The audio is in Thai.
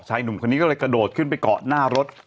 หนุ่มคนนี้ก็เลยกระโดดขึ้นไปเกาะหน้ารถ